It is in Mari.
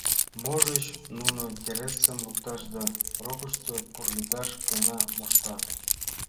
Можыч, нуно терысым лукташ да рокышто пургедаш гына моштат?